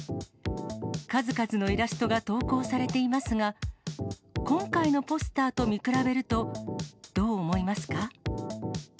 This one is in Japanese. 数々のイラストが投稿されていますが、今回のポスターと見比べると、どう思いますか？